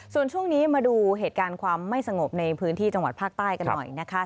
ส่วนช่วงนี้มาดูเหตุการณ์ความไม่สงบในพื้นที่จังหวัดภาคใต้กันหน่อยนะคะ